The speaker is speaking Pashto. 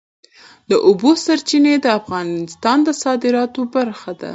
د اوبو سرچینې د افغانستان د صادراتو برخه ده.